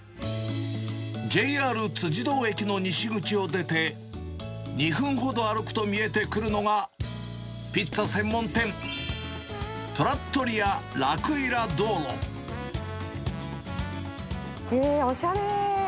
ＪＲ辻堂駅の西口を出て、２分ほど歩くと見えてくるのが、ピッツァ専門店、おしゃれー。